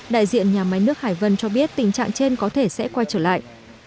đại diện nhà máy nước hải vân cho biết tình trạng trên có thể sẽ quay trở lại